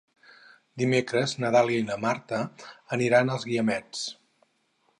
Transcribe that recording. Dimecres na Dàlia i na Marta aniran als Guiamets.